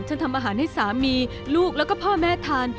ทำอาหารให้สามีลูกแล้วก็พ่อแม่ทาน